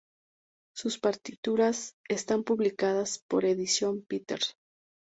Sus partituras están publicadas por Edition Peters.